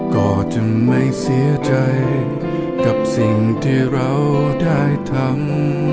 ก็จึงไม่เสียใจกับสิ่งที่เราได้ทำ